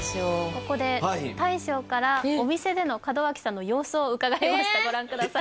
ここで大将からお店での門脇さんの様子を伺いましたご覧ください